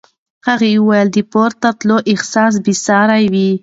هغې وویل د پورته تللو احساس بې ساری و.